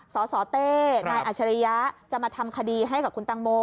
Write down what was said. สสเต้นาอัชริยะจะมาทำคดีให้กับคุณตังโม